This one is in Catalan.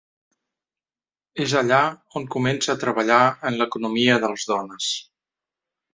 És allà on comença a treballar en l’economia de les dones.